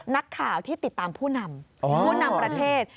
นักข่าวที่ติดตามผู้นำผู้นำประเทศ